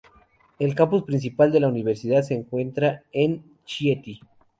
El Campus principal de la universidad se encuentra en Chieti.